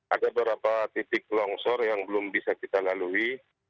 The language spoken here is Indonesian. ada beberapa titik longsor yang belum bisa kita lalui